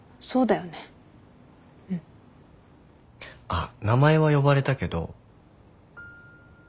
あっ名前は呼ばれたけど。